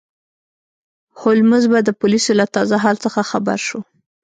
هولمز به د پولیسو له تازه حال څخه خبر شو.